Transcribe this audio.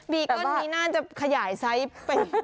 เกิ้ลนี้น่าจะขยายไซส์ไป